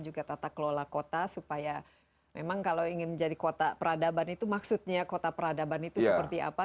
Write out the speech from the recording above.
bagaimana cara membangun sekolah kota supaya memang kalau ingin menjadi kota peradaban itu maksudnya kota peradaban itu seperti apa